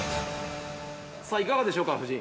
◆さあ、いかがでしょうか、夫人。